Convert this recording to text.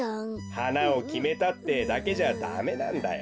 はなをきめたってだけじゃダメなんだよ。